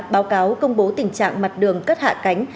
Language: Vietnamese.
báo cáo công bố tình trạng mặt đường cất hạ cánh